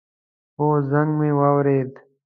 هو، زنګ می واورېد